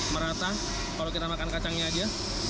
merata kalau kita makan kacangnya aja